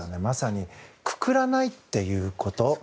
まさにくくらないということ。